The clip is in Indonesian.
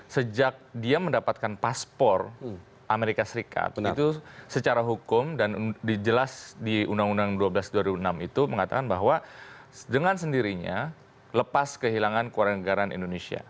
sejak dia mendapatkan paspor amerika serikat itu secara hukum dan dijelas di undang undang dua belas dua ribu enam itu mengatakan bahwa dengan sendirinya lepas kehilangan keluarga negaraan indonesia